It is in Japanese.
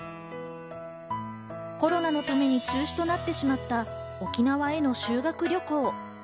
コロナのために中止となってしまった沖縄への修学旅行。